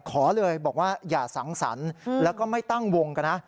ขอเลยบอกว่าอย่าสังสรรค์แล้วก็ไม่ตั้งวงกันนะ